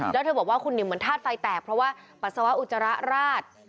แล้วเธอบอกว่าคุณนิวเหมือนธาตุไฟแตกเพราะว่าปัสสาวะอุจจาระราด